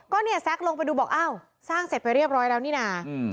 ก็เนี่ยแซ็กลงไปดูบอกอ้าวสร้างเสร็จไปเรียบร้อยแล้วนี่นะ